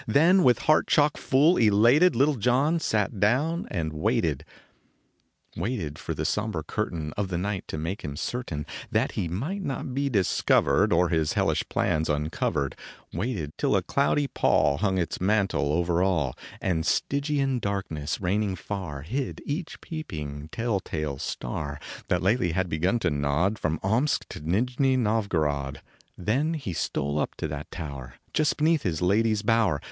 Then with heart chock full, elated, Little John sat down and waited Waited for the sombre curtain io8 SOFIE JAKOBO WSKI Of the night to make him certain That he might not be discovered Or his hellish plans uncovered, Waited till a cloudy pall Hung its mantel over all, And Stygian darkness reigning far Hid each peeping, tell tale star, That lately had begun to nod From Omsk to Nijni Novgorod. Then he stole up to that tower, Just beneath his lady s bower.